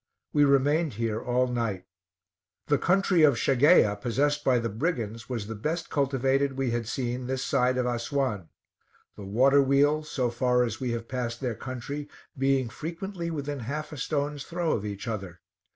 We remained here all night. The country of Shageia, possessed by the brigands, was the best cultivated we had seen this side of Assuan; the water wheels, so far as we have passed their country, being frequently within half a stone's throw of each other.